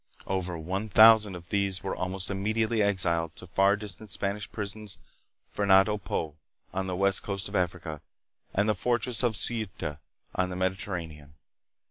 Over one thousand of these were almost immediately exiled to far distant Spanish prisons Fernando Po, on the west coast of Africa, and the fortress of Ceuta, on the Mediter ranean.